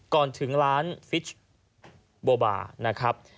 ก่อนถึงร้านฟิชโบบาร์นะครับ